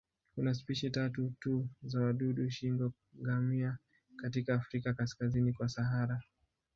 Kuna spishi tatu tu za wadudu shingo-ngamia katika Afrika kaskazini kwa Sahara.